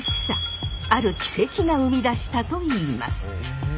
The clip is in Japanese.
ある奇跡が生み出したといいます。